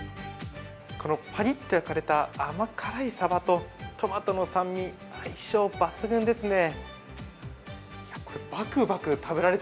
このパリっと焼かれた甘辛いサバとトマトの酸味、相性抜群ですね。